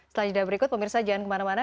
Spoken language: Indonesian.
selanjutnya berikut pemirsa jangan kemana mana